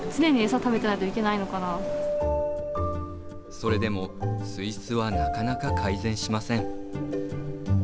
それでも水質はなかなか改善しません。